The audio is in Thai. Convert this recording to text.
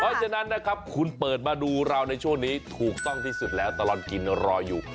เพราะฉะนั้นนะครับคุณเปิดมาดูเราในช่วงนี้ถูกต้องที่สุดแล้วตลอดกินรออยู่